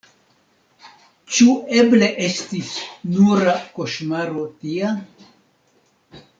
Ĉu eble estis nura koŝmaro tia?